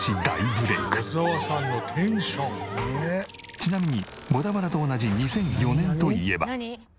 ちなみに『ボタバラ』と同じ２００４年といえば。